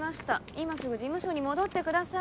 今すぐ事務所に戻ってください